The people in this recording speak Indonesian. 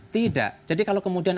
tidak jadi kalau kemudian